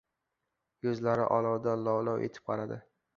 Yuzlari olovda lov-lov etib qaradi.